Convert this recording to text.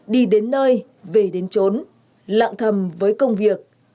đi đến nơi về đến trốn lạng thầm với công việc